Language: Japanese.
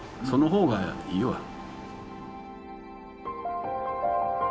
その方がいいわ。